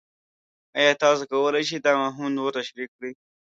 ایا تاسو کولی شئ دا مفهوم نور تشریح کړئ؟